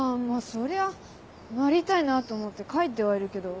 そりゃなりたいなと思って描いてはいるけど。